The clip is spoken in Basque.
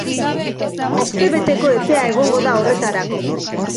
Astebeteko epea egongo da horretarako.